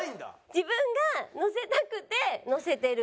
自分が載せたくて載せてる。